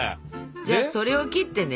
じゃあそれを切ってね